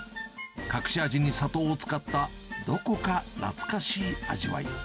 隠し味に砂糖を使った、どこか懐かしい味わい。